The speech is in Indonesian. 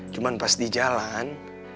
cuman pas di jalan